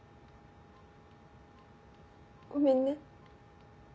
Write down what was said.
ごめんね。